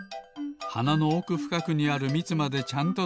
はなのおくふかくにあるみつまでちゃんととどきます。